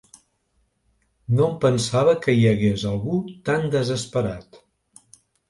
No em pensava que hi hagués algú tan desesperat.